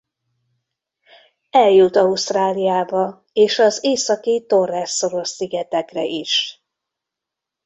Eljut Ausztráliába és az északi Torres-szoros szigetekre is.